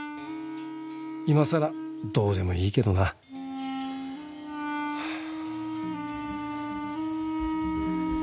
いまさらどうでもいいけどなハァ。